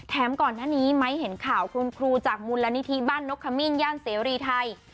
ก่อนหน้านี้ไม้เห็นข่าวคุณครูจากมูลนิธิบ้านนกขมิ้นย่านเสรีไทย